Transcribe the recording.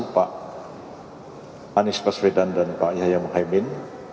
pak anies masvedan dan pak yahya mohaimin